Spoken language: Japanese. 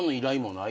ない。